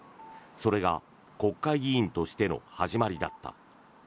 それが国会議員としての始まりだった。